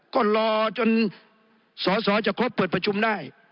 ก็รอจนสอสอจะครบเปิดประชุมได้